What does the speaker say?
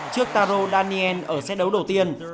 trước taro daniel ở set đấu đầu tiên